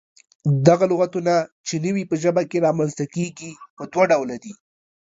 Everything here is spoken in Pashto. دغه لغتونه چې نوي په ژبه کې رامنځته کيږي، پۀ دوله ډوله دي: